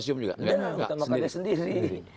iya utama karya sendiri